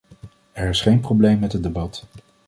Er is geen probleem met het debat.